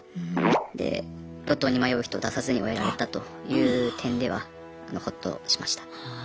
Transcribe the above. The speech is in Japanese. で路頭に迷う人出さずに終えられたという点ではホッとしました。